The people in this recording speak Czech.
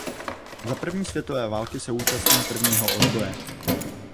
Za první světové války se účastnil prvního odboje.